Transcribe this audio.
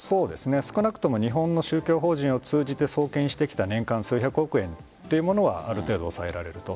少なくとも日本の宗教法人を通じて送金してきた、年間数百億円というものはある程度抑えられると。